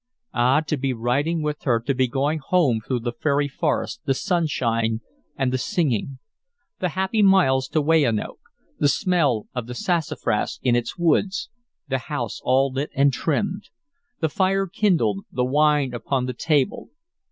Ah! to be riding with her, to be going home through the fairy forest, the sunshine, and the singing!... The happy miles to Weyanoke, the smell of the sassafras in its woods, the house all lit and trimmed. The fire kindled, the wine upon the table...